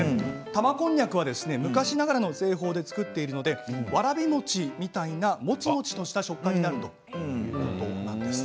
玉こんにゃくは昔ながらの製法で作っているのでわらび餅みたいなもちもちとした食感になるということなんです。